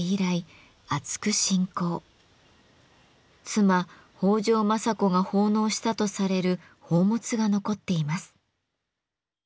妻・北条政子が奉納したとされる宝物が残っています。